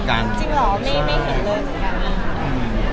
จริงหรอไม่เห็นเลย